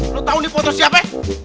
lu tau ini foto siapa